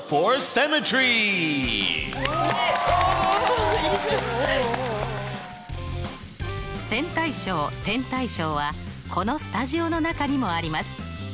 線対称点対称はこのスタジオの中にもあります。